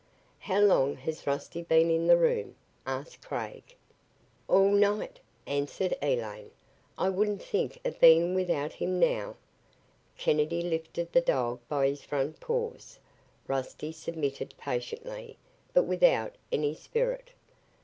"How long has Rusty been in the room?" asked Craig. "All night," answered Elaine. "I wouldn't think of being without him now." Kennedy lifted the dog by his front paws. Rusty submitted patiently, but without any spirit.